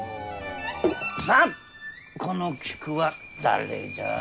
さあこの菊は誰じゃ？